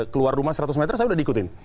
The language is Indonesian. keluar rumah seratus meter saya udah diikutin